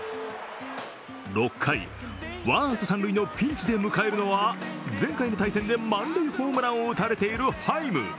６回、ワンアウト三塁のピンチで迎えるのは前回の対戦で満塁ホームランを打たれているハイム。